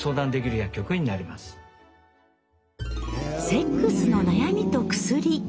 「セックスの悩みと薬」